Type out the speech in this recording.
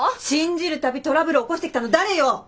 信じる度トラブル起こしてきたの誰よ！